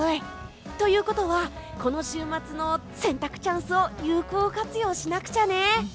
ということはこの週末の洗濯チャンスを有効活用しなくちゃね！